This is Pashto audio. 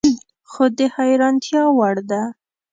خو د حیرانتیا وړ ده